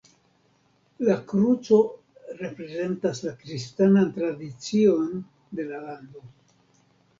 La kruco reprezentas la kristanan tradicion de la lando.